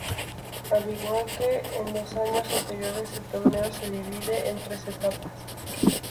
Al igual que en los años anteriores, el torneo se divide en tres etapas.